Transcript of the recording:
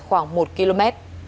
khoảng một km